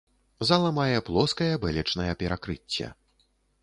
Зала мае плоскае бэлечнае перакрыцце.